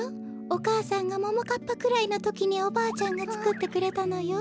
お母さんがももかっぱくらいのときにおばあちゃんがつくってくれたのよ。